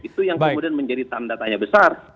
itu yang kemudian menjadi tanda tanya besar